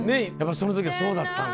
その時はそうだったんだ。